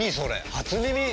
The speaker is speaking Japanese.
初耳！